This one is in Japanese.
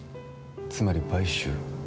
つまり買収？